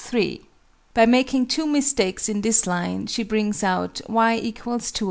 By making two mistakes in this line, she brings out y = 3/2.